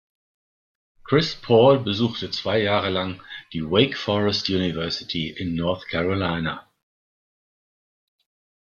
Chris Paul besuchte zwei Jahre lang die Wake Forest University in North Carolina.